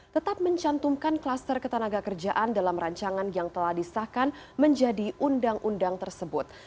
tetap mencantumkan kluster ketenaga kerjaan dalam rancangan yang telah disahkan menjadi undang undang tersebut